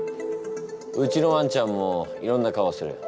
うちのワンちゃんもいろんな顔をする。